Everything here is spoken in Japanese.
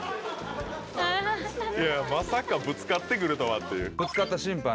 いやまさかぶつかってくるとはっていう。